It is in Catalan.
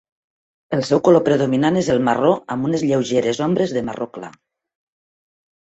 El seu color predominant és el marró amb unes lleugeres ombres de marro clar.